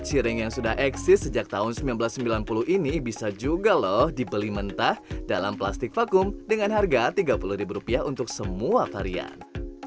ciring yang sudah eksis sejak tahun seribu sembilan ratus sembilan puluh ini bisa juga loh dibeli mentah dalam plastik vakum dengan harga tiga puluh untuk semua varian